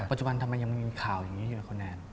ปัจจุบันทำไมยังไม่มีข่าวอย่างนี้อยู่นะคุณแอน